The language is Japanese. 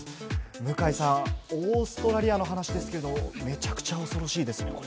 向井さん、オーストラリアの話ですけれども、むちゃくちゃ恐ろしいですね。